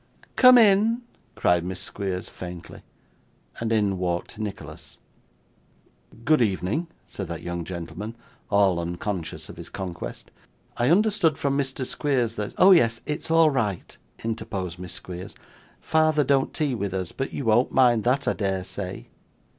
'Come in,' cried Miss Squeers faintly. And in walked Nicholas. 'Good evening,' said that young gentleman, all unconscious of his conquest. 'I understood from Mr. Squeers that ' 'Oh yes; it's all right,' interposed Miss Squeers. 'Father don't tea with us, but you won't mind that, I dare say.